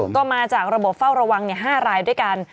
ก็มาจากระบบเฝ้าระวัง๕รายด้วยกัน